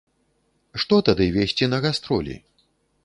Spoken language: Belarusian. Што тады везці на гастролі?